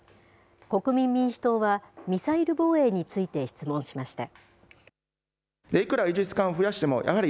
国民民主党は、ミサイル防衛について質問しました。